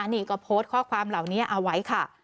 นี่ก็โพสต์ข้อความเหล่านี้เอาไว้ค่ะ